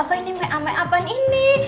apa ini mea mea apaan ini